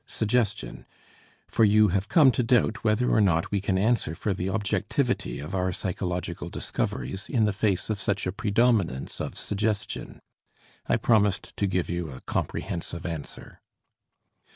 suggestion, for you have come to doubt whether or not we can answer for the objectivity of our psychological discoveries in the face of such a predominance of suggestion. I promised to give you a comprehensive answer.